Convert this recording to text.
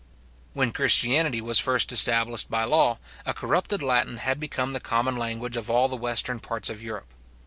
When Christianity was first established by law, a corrupted Latin had become the common language of all the western parts of Europe.